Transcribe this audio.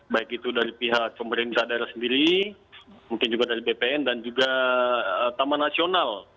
baik itu dari pihak pemerintah daerah sendiri mungkin juga dari bpn dan juga taman nasional